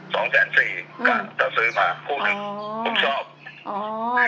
สองแสนสี่กันถ้าซื้อมาพูดถึงอ๋อผมชอบอ๋อ